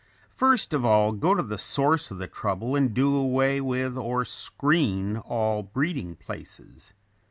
First of all, go to the source of the trouble and do away with or screen all breeding places.